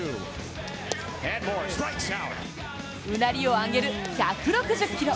うなりをあげる１６０キロ。